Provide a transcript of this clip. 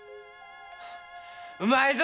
うまいぞ！